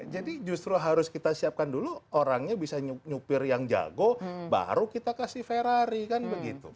jadi justru harus kita siapkan dulu orangnya bisa nyupir yang jago baru kita kasih ferrari kan begitu